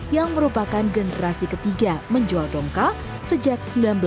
yang merupakan generasi ketiga menjual dongka sejak seribu sembilan ratus sembilan puluh